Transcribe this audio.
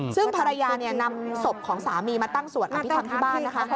ซึ่งภรรยานำศพของสามีมาตั้งสวดอภิษฐรรมที่บ้านนะคะ